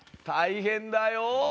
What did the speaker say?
大変だよ。